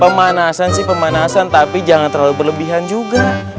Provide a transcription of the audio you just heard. pemanasan sih pemanasan tapi jangan terlalu berlebihan juga